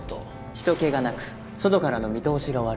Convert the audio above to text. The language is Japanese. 人けがなく外からの見通しが悪い。